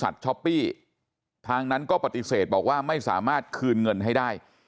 ช้อปปี้ทางนั้นก็ปฏิเสธบอกว่าไม่สามารถคืนเงินให้ได้